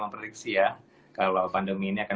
memprediksi ya kalau pandemi ini akan